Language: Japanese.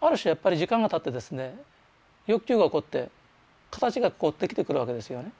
ある種やっぱり時間がたってですね欲求が起こって形がこうできてくるわけですよね。